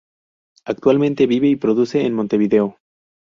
Actualmente vive y produce en Montevideo.